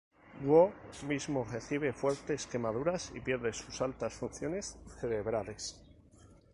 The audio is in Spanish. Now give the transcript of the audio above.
Woo mismo recibe fuertes quemaduras y pierde sus altas funciones cerebrales.